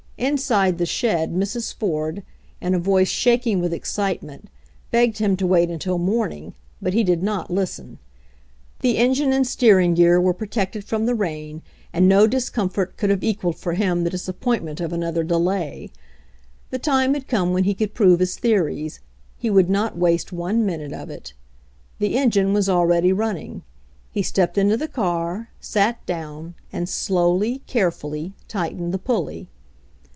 In side the shed Mrs. Ford, in a voice shaking with excitement, begged him to wait until morning,. but he did not listen. The engine and steering gear were protected from the rain and no discom fort could have equaled for him the disappoint ment of another delay. The time had come when he could prove his theories. He would not waste one minute of it. The engine was already running. He stepped into the car, sat down, and slowly, carefully, tightened the pulley.